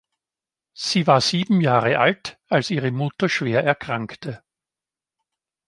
Sie war sieben Jahre alt, als ihre Mutter schwer erkrankte.